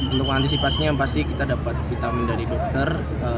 untuk mengantisipasinya yang pasti kita dapat vitamin dari dokter